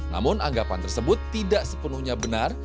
namun anggapan tersebut tidak sepenuhnya benar